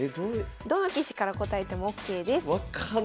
どの棋士から答えてもＯＫです。